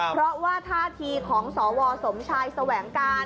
เพราะว่าท่าทีของสวสมชายแสวงการ